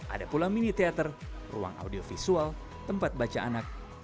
ada pula mini teater ruang audiovisual tempat baca anak